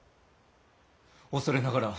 恐れながら！